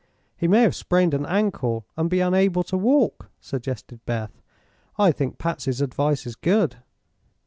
"He may have sprained an ankle, and be unable to walk," suggested Beth. "I think Patsy's advice is good."